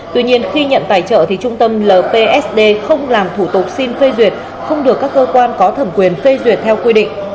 tuy nhiên khi nhận tài trợ trung tâm lpsd không làm thủ tục xin phê duyệt không được các cơ quan có thẩm quyền phê duyệt theo quy định